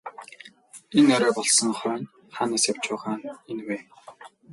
Энэ орой болсон хойно хаанаас явж байгаа нь энэ вэ?